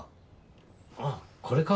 ああこれか。